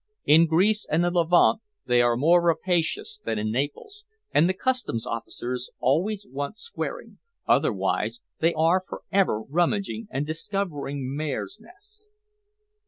"In Greece and the Levant they are more rapacious than in Naples, and the Customs officers always want squaring, otherwise they are for ever rummaging and discovering mares' nests."